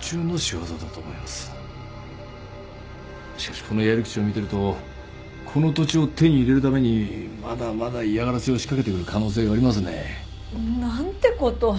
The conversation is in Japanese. しかしこのやり口を見てるとこの土地を手に入れるためにまだまだ嫌がらせを仕掛けてくる可能性がありますね。なんて事。